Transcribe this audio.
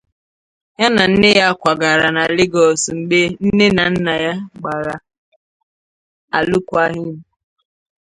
Ya na nne ya kwagara na Lagos mgbe nne na nna ya gbara alụkwaghim.